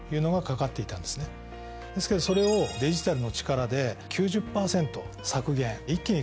ですけどそれをデジタルの力で９０％削減一気に解決する。